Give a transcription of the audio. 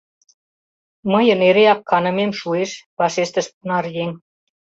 — Мыйын эреак канымем шуэш, — вашештыш понаръеҥ.